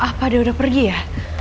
apa dia udah pergi ya